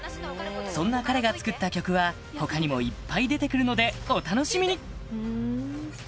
そんな彼が作った曲は他にもいっぱい出て来るのでお楽しみに！